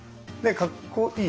かっこいい。